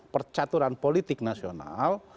percaturan politik nasional